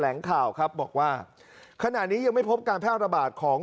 ลงข่าวครับบอกว่าขณะนี้ยังไม่พบการแพร่ระบาดของ